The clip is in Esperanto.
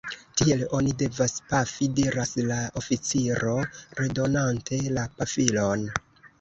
Tiel oni devas pafi, diras la oficiro, redonante la pafilon.